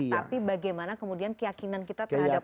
tapi bagaimana kemudian keyakinan kita terhadap allah ya